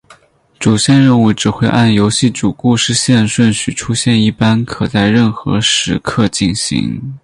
主线任务只会按游戏主故事线顺序出现一般可在任何时刻进行。